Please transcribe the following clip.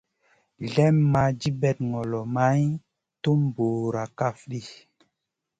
Slèmma dibèt ŋolo may tum bura kaf ɗi.